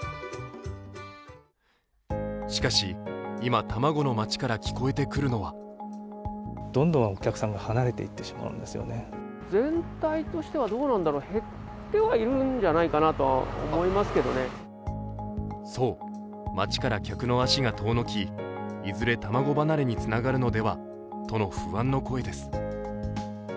しかし今、たまごの街から聞こえてくるのはそう、街から客の足が遠のき、いずれ卵離れにつながるのではとう不安の声です。